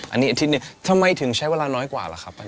อันนี้อาทิตย์หนึ่งทำไมถึงใช้เวลาน้อยกว่าล่ะครับ